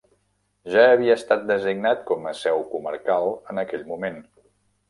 Ja havia estat designat com a seu comarcal en aquell moment.